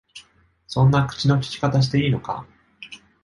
そんな口の利き方していいのか？